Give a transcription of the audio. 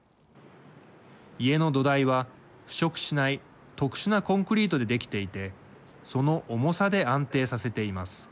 家の土台は、腐食しない特殊なコンクリートでできていてその重さで安定させています。